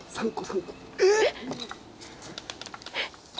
えっ！